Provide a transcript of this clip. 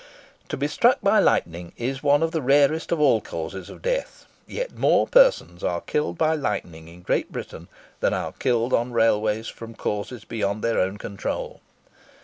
To be struck by lightning is one of the rarest of all causes of death; yet more persons are killed by lightning in Great Britain than are killed on railways from causes beyond their own control.